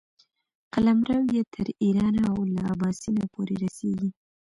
قلمرو یې تر ایرانه او له اباسین پورې رسېږي.